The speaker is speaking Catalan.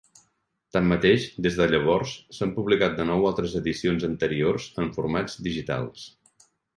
Tanmateix, des de llavors, s'han publicat de nou altres edicions anteriors en formats digitals.